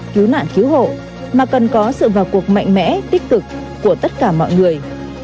cứu nạn cứu hộ mà cần có sự vào cuộc mạnh mẽ tích cực của tất cả mọi người